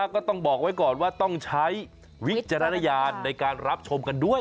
ก็ต้องบอกไว้ก่อนว่าต้องใช้วิจารณญาณในการรับชมกันด้วย